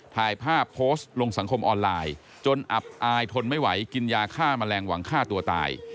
ถ่ายภาพโพสต์ลงสังคมออนไลน์จนอับอายทนไม่ไหวกินยาฆ่าแมลงหวังฆ่าตัวตาย